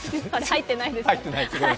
入ってないです。